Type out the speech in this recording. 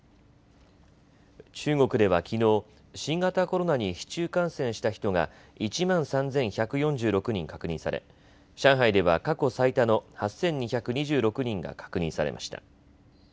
中国ではきのう新型コロナに市中感染した人が１万３１４６人確認され上海では過去最多の８２２６人が確認されました。